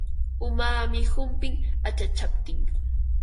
Umaami humpin achachaptin.